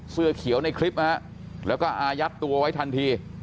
เสื้อเขียวในคลิปนะฮะแล้วก็อายัดตัวไว้ทันที